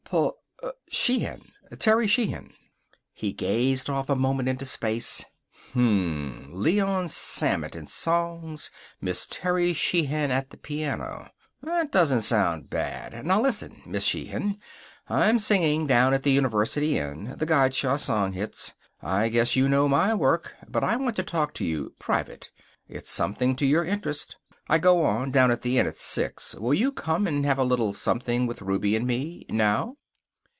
"Pl Sheehan. Terry Sheehan." He gazed off a moment into space. "Hm. 'Leon Sammett in Songs. Miss Terry Sheehan at the Piano.' That doesn't sound bad. Now listen, Miss Sheehan. I'm singing down at the University Inn. The Gottschalk song hits. I guess you know my work. But I want to talk to you, private. It's something to your interest. I go on down at the Inn at six. Will you come and have a little something with Ruby and me? Now?"